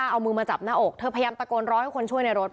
เอามือมาจับหน้าอกเธอพยายามตะโกนร้องให้คนช่วยในรถ